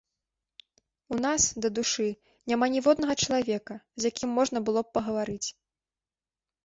У нас, дадушы, няма ніводнага чалавека, з якім можна б было пагаварыць.